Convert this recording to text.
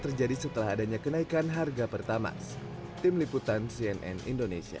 terjadi setelah adanya kenaikan harga pertamax tim liputan cnn indonesia